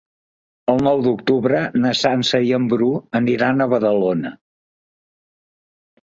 El nou d'octubre na Sança i en Bru aniran a Badalona.